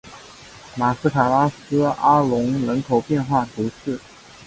马斯卡拉斯阿龙人口变化图示